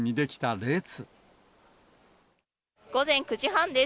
午前９時半です。